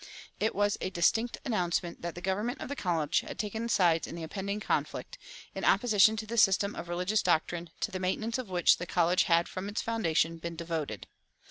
It was a distinct announcement that the government of the college had taken sides in the impending conflict, in opposition to the system of religious doctrine to the maintenance of which the college had from its foundation been devoted.